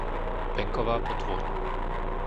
Benková Potôň